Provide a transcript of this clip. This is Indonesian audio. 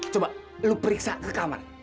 coba lo periksa ke kamar